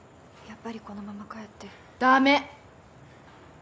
やっぱりこのまま帰ってダメ！